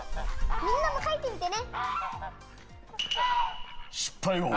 みんなもかいてみてね。